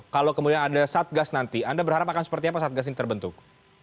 kalau kemudian ada satgas nanti anda berharap akan seperti apa satgas ini terbentuk